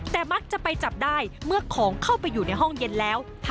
แต่มักจะไปจับได้เมื่อของเข้าไปอยู่ในห้องเย็นแล้ว